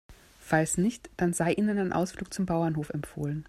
Falls nicht, dann sei Ihnen ein Ausflug zum Bauernhof empfohlen.